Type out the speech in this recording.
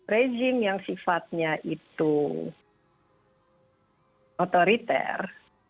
rezim yang sifatnya itu otoriter